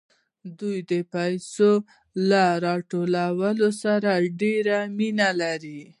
دوی د پیسو له راټولولو سره ډېره مینه لري